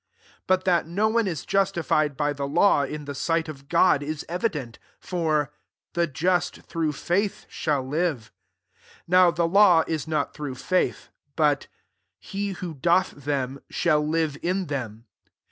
11 But that no one is justifi ed by the law in the sight of God, ia evident : for " the just through faith shall live. 12 Now the law is not through faith: but " he who doth them, shall j live in them."